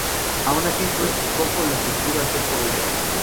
Aun así fue poco lo que pudo hacer por ella.